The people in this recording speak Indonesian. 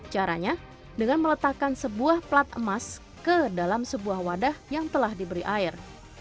caranya dengan meletakkan sebuah plat emas ke dalam sebuah wadah yang telah diberi air